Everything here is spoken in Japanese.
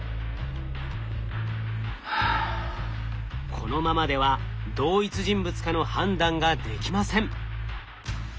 このままでは同一人物かの判断ができません。